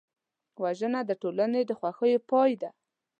وژنه د ټولنې د خوښیو پای دی